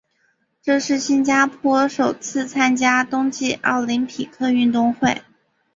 这是新加坡首次参加冬季奥林匹克运动会。